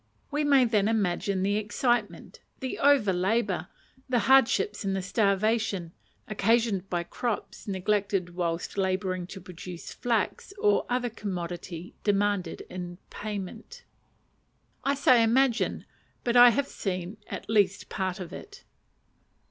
We may then imagine the excitement, the over labour, the hardship, the starvation (occasioned by crops neglected whilst labouring to produce flax or other commodity demanded in payment) I say imagine, but I have seen at least part of it.